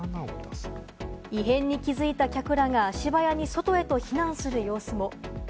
異変に気づいた客らが足早に外へと避難する様子も。